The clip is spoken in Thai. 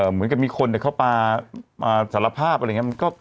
เหมือนกับมีคนเข้ามาสารภาพอะไรอย่างนี้